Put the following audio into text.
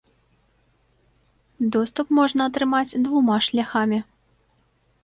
Доступ можна атрымаць двума шляхамі.